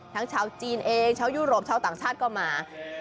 ชาวจีนเองชาวยุโรปชาวต่างชาติก็มา